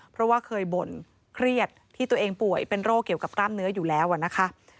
เพราะว่าเคยบ่นเครียดที่ตัวเองป่วยเป็นโรคเกี่ยวกับกล้ามเนื้ออยู่แล้วนะคะ